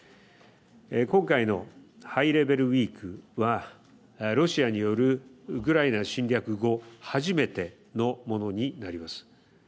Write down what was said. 今回のハイレベル・ウィークはロシアによるウクライナ侵略後初めてのものになります。